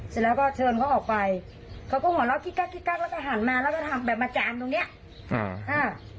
เสร็จแล้วก็เชิญเขาออกไปเขาก็หัวเราะกิ๊กกักกิ๊กกักแล้วก็หันมาแล้วก็ทำแบบมาจามตรงเนี้ยอ่าอ่า